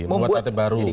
membuat tatip baru